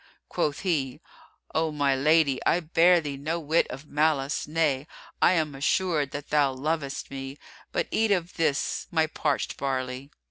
Quoth he, "O my lady, I bear thee no whit of malice; nay, I am assured that thou lovest me: but eat of this my parched barley."